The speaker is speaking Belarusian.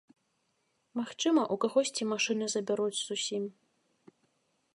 Магчыма, у кагосьці машыны забяруць зусім.